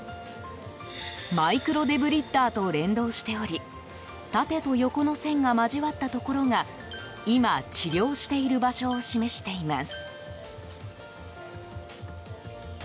マイクロデブリッダーと連動しており縦と横の線が交わったところが今、治療している場所を示しています。